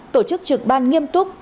ba tổ chức trực ban nghiêm túc